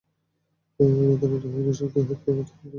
বদরে নিহত মুশরিকদের হত্যার প্রতিশোধ নিবে।